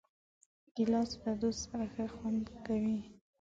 ګیلاس له دوست سره ښه خوند کوي.